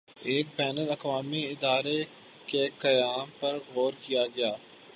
ایک بین الاقوامی ادارے کے قیام پر غور کیا گیا